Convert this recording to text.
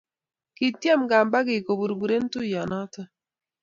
Kitiem kampakik koburburen tuiyonoto